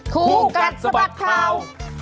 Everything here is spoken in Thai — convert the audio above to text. ภูกัสสบัคเทา